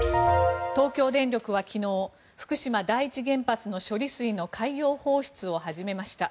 東京電力は昨日福島第一原発の処理水の海洋放出を始めました。